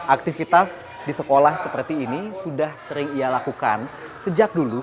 aktivitas di sekolah seperti ini sudah sering ia lakukan sejak dulu